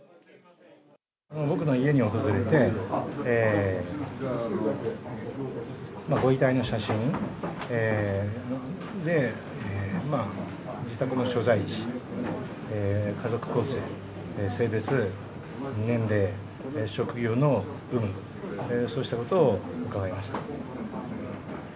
僕の家に訪れて、ご遺体の写真、で、まあ、自宅の所在地、家族構成、性別、年齢、職業の有無、そうしたことを伺いました。